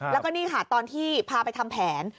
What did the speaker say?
แล้วก็นี่ค่ะตอนที่พาไปทำแผน